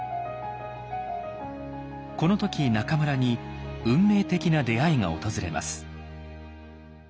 この時中村に運命的な出会いが訪れます。